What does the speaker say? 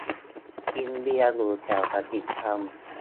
กินเบียร์อยู่แถวสันติธรรม